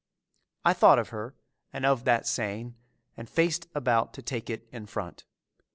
I thought of her and of that saying and faced about to take it in front.